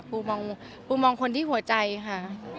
ปูมองคนที่หัวใจค่ะ